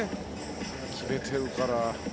決めているから。